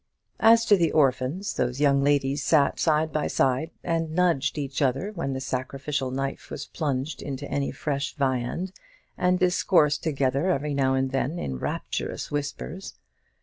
As to the orphans, those young ladies sat side by side, and nudged each other when the sacrificial knife was plunged into any fresh viand, and discoursed together every now and then in rapturous whispers.